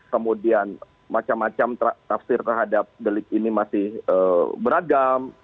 kemudian macam macam tafsir terhadap delik ini masih beragam